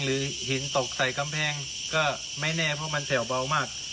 หินตกใส่กำแพงก็ไม่แน่เพราะมันแถวเบามาก